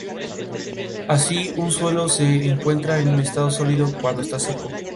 Situado frente al colegio en la avenida de Castilla y León.